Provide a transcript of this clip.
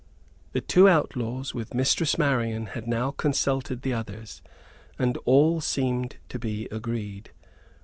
The two outlaws, with Mistress Marian, had now consulted the others, and all seemed to be agreed.